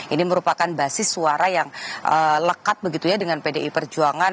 ini merupakan basis suara yang lekat begitu ya dengan pdi perjuangan